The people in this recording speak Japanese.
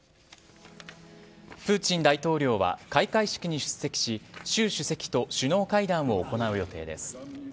プーチン大統領は開会式に出席し習主席と首脳会談を行う予定です。